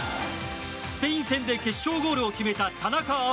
スペイン戦で決勝ゴールを決めた田中碧。